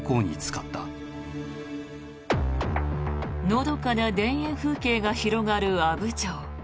のどかな田園風景が広がる阿武町。